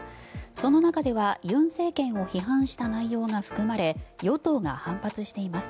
その中では尹政権を批判した内容が含まれ与党が反発しています。